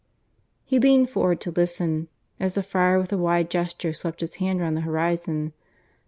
... He leaned forward to listen, as the friar with a wide gesture swept his hand round the horizon.